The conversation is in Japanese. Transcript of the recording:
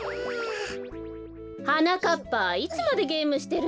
はなかっぱいつまでゲームしてるの？